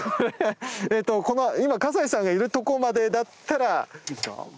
えっとこの今西さんがいるとこまでだったら。